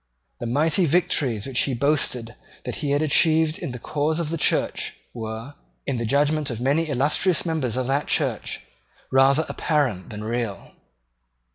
The mighty victories which he boasted that he had achieved in the cause of the Church were, in the judgment of many illustrious members of that Church, rather apparent than real.